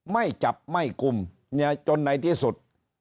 ไม่จับไม่กลุ่มจนในที่สุด